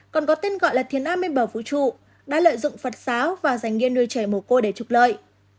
còn có tên gọi là thiên an mênh bảo phú trụ đã lợi dụng phật giáo và giành nghiên nuôi trẻ mồ côi để trục lợi